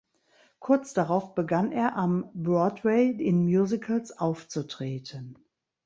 Kurz darauf begann er, am Broadway in Musicals aufzutreten.